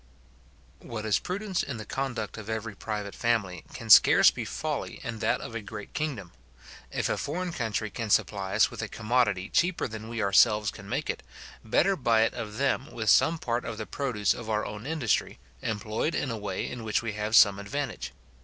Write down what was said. What is prudence in the conduct of every private family, can scarce be folly in that of a great kingdom. If a foreign country can supply us with a commodity cheaper than we ourselves can make it, better buy it of them with some part of the produce of our own industry, employed in a way in which we have some advantage.